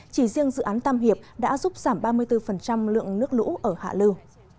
chỉ riêng dự án tam hiệp đã giúp giảm ba mươi bốn lượng nước lũ ở hạ lưu